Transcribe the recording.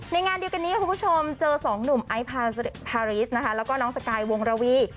ในงานเดียวกันนี้คุณผู้ชมเจอ๒หนุ่มไอต์พาริสแล้วก็น้องสไกยวงรวี